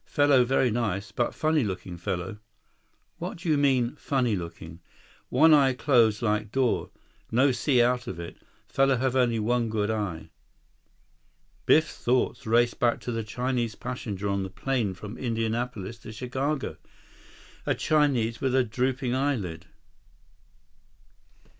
Fellow very nice. But funny looking fellow." "What do you mean, funny looking?" "One eye closed like door. No see out of it. Fellow have only one good eye." Biff's thoughts raced back to the Chinese passenger on the plane from Indianapolis to Chicago—a Chinese with a drooping eyelid.